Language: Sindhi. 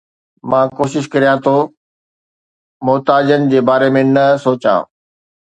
مان ڪوشش ڪريان ٿو محتاجن جي باري ۾ نه سوچان